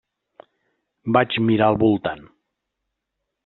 Vaig mirar al voltant.